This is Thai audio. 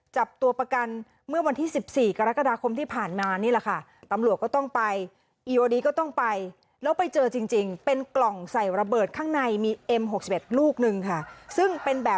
จับตัวประกันเมื่อวันที่๑๔กรกฎาคมที่ผ่านมานี่แหละค่ะ